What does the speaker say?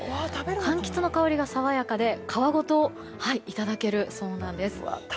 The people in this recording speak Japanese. かんきつの香りが爽やかで皮ごといただけるそうなんです。